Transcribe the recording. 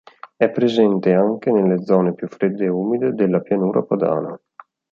È presente anche nelle zone più fredde e umide della Pianura Padana.